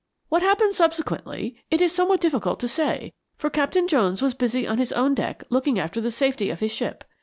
What happened subsequently, it is somewhat difficult to say, for Captain Jones was busy on his own deck looking after the safety of his ship.